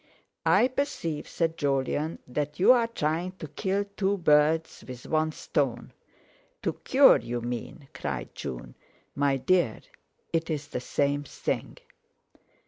"I perceive," said Jolyon, "that you are trying to kill two birds with one stone." "To cure, you mean!" cried June. "My dear, it's the same thing."